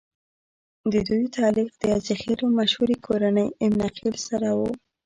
ددوي تعلق د عزيخېلو مشهورې کورنۍ اِمنه خېل سره وو